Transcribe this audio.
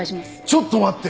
ちょっと待って！